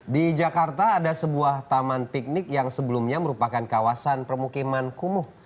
di jakarta ada sebuah taman piknik yang sebelumnya merupakan kawasan permukiman kumuh